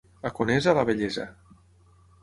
A Conesa, la bellesa.